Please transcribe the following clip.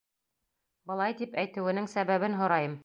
Былай тип әйтеүенең сәбәбен һорайым.